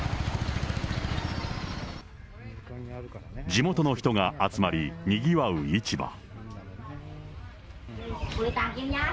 地元の人が集まり、にぎわう市場。